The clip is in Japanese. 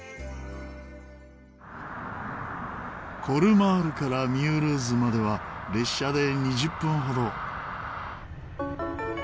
コルマールからミュールーズまでは列車で２０分ほど。